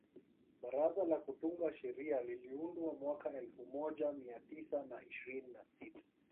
Baraza la kutunga sheria liliundwa mwaka elfu moja mia tisa na ishirini na sita